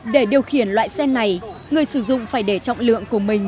để điều khiển loại xe này người sử dụng phải để trọng lượng của mình